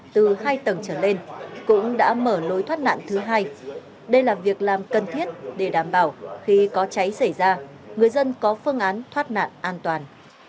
từ hai tầng trở lên cũng đã mở lối thoát nạn thứ hai đây là việc làm cần thiết để đảm bảo khi có cháy xảy ra người dân có phương án thoát nạn an toàn